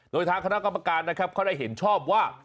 โดยทางคณะกรรมการนะครับเขาได้เห็นชอบว่า